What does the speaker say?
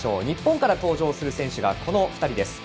日本から登場する選手がこの２人。